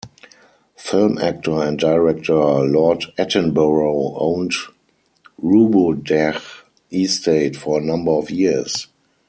Film actor and director Lord Attenborough owned Rhubodach estate for a number of years.